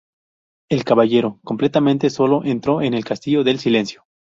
El Caballero, completamente solo, entró en el castillo del silencio.